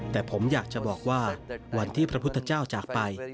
แต่ผมอยากจะบอกว่าวันที่พระพุทธเจ้าจากไป